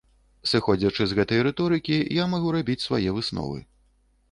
Сыходзячы з гэтай рыторыкі я магу рабіць свае высновы.